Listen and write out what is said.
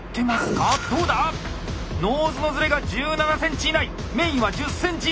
どうだ？ノーズのズレが１７ｃｍ以内メインは１０ｃｍ以内。